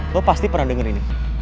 lo pasti pernah denger ini